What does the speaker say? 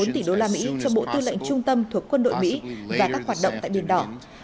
hai bốn mươi bốn tỷ đô la mỹ cho bộ tư lệnh trung tâm thuộc quân đội mỹ và các hoạt động tại biển đỏ